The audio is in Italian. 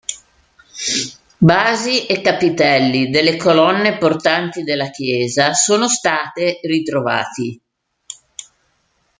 Basi e capitelli delle colonne portanti della chiesa sono state ritrovati.